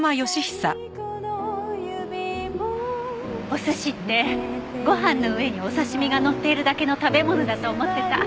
お寿司ってご飯の上にお刺し身がのっているだけの食べ物だと思ってた。